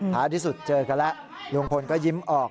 ท้ายที่สุดเจอกันแล้วลุงพลก็ยิ้มออก